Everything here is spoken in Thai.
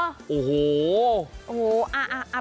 โอ้โหโอ้โห